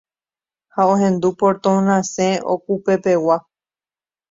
ha ahendu portón rasẽ okupepegua